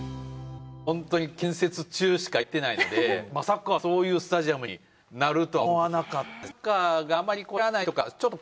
ホントに建設中しか行ってないのでサッカーそういうスタジアムになるとは思わなかったですね。